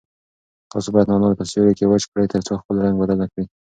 تاسو باید نعناع په سیوري کې وچ کړئ ترڅو خپل رنګ بدل نه کړي.